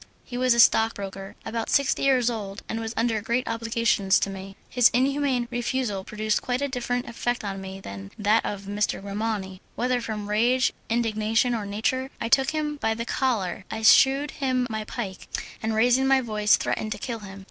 He was a stockbroker, about sixty years old, and was under great obligations to me. His inhuman refusal produced quite a different effect on me than that of M. Grimani. Whether from rage, indignation, or nature, I took him by the collar, I shewed him my pike, and raising my voice threatened to kill him.